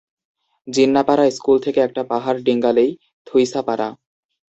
জিন্নাপাড়া থেকে একটা পাহাড় ডিঙ্গালেই থুইসাপাড়া।